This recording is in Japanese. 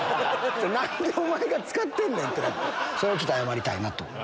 なんでお前が使ってんだって、それをちょっと謝りたいなと。